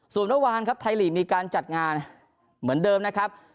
สวมนักวางันครับไทรหลีมีการจัดงานเหมือนเดิมนะครับ